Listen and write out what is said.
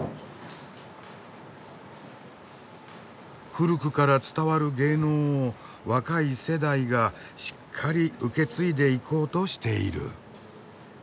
古くから伝わる芸能を若い世代がしっかり受け継いでいこうとしている。